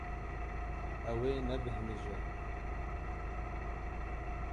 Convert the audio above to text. Ew ê nebêhnije.